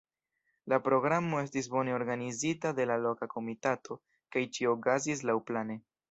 La programo estis bone organizita de la loka komitato, kaj ĉio okazis laŭplane.